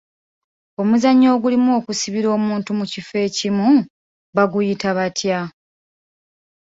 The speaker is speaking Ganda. Omuzannyo ogulimu okusibira omuntu mu kifo ekimu baguyita batya?